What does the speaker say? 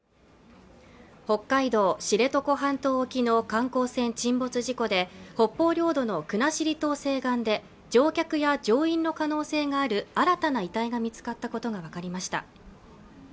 北海道知床半島沖の観光船沈没事故で北方領土の国後島西岸で乗客や乗員の可能性がある新たな遺体が見つかったことが分かりました